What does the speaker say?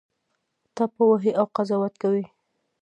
ټاپه وهي او قضاوت کوي